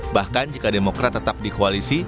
bahkan jika demokrat tetap di koalisi